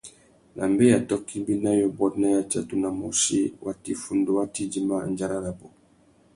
Nà mbeya tôkô ibî na yôbôt na yatsatu na môchï, watu iffundu wa tà idjima andjara rabú.